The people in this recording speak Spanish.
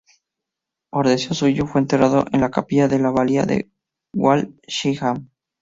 Por deseo suyo fue enterrado en la capilla de la abadía de Walsingham.